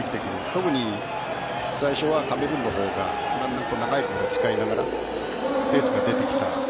特に最初はカメルーンのほうが長いボールを使いながらペースが出てきた。